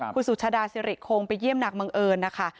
คุณสุชาดาสิริคงไปเยี่ยมนักบังเอิญนะคะ